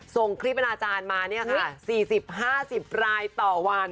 ส่งคลิปอนาจารย์มา๔๐๕๐รายต่อวัน